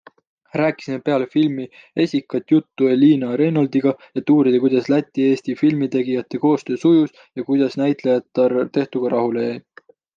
Rääkisime peale filmi esikat juttu Elina Reinoldiga, et uurida kuidas Läti-Eesti filmitegijate koostöö sujus ja kuidas näitlejatar tehtuga rahule jäi.